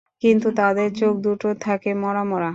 কিন্তু, তাদের চোখদুটো থাকে মরা মরা।